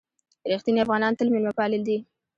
رښتیني افغانان تل مېلمه پالي دي.